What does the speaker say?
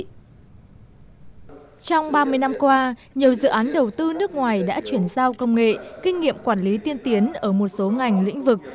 trong ba mươi năm qua nhiều dự án đầu tư nước ngoài đã chuyển giao công nghệ kinh nghiệm quản lý tiên tiến ở một số ngành lĩnh vực